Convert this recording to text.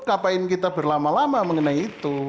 ngapain kita berlama lama mengenai itu